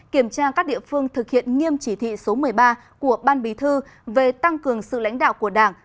kiểm tra các địa phương thực hiện nghiêm chỉ thị số một mươi ba của ban bí thư về tăng cường sự lãnh đạo của đảng